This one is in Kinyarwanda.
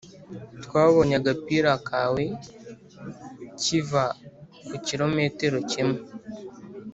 twabonye agapira kawe 'kiva ku kirometero kimwe. "